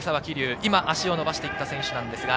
今、足を伸ばしていった選手です。